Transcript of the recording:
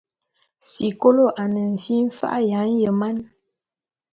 Sikolo ane fi mfa’a ya nyeman.